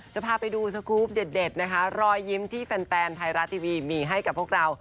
จะพาไปดูสกรูปเด็ดนะคะรอยยิ้มที่แฟนไทยรัฐทีวีมีให้กับพวกเรา